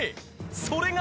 それが。